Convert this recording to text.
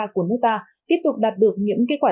của nước ta tiếp tục đạt được những kết quả